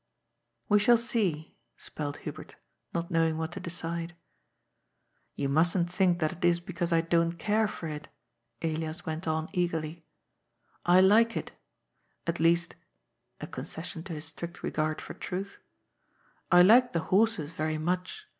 " We shall see," spelled Hubert, not knowing what to decide. " You mustn't think that it is because I don't care for it," Elias went on eagerly. " I like it. At least " (a con cession to his strict regard for truth), " I like the horses very much.